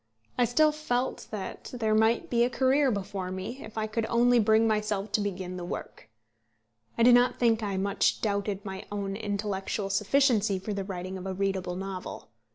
I still felt that there might be a career before me, if I could only bring myself to begin the work. I do not think I much doubted my own intellectual sufficiency for the writing of a readable novel.